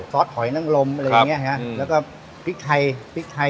สหอยนังลมอะไรอย่างเงี้ยฮะแล้วก็พริกไทยพริกไทย